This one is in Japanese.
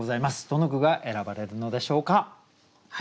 どの句が選ばれるのでしょうか。